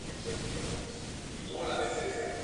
Las ramblas presenten una vegetación y fauna características.